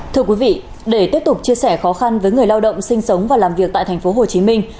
thưa quý vị để tiếp tục chia sẻ khó khăn với người lao động sinh sống và làm việc tại thành phố hồ chí minh